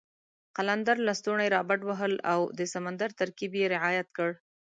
قلندر لسټوني را بډ وهل او د سمندر ترکیب یې رعایت کړ.